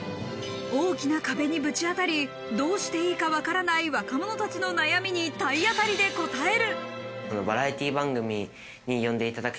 大きな壁にぶち当たり、どうしていいかわからない若者たちの悩みに体当たりで答える。